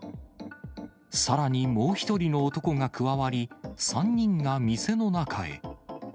さらにもう１人の男が加わり、３人が店の中へ。